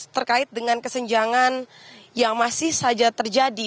terkait dengan kesenjangan yang masih saja terjadi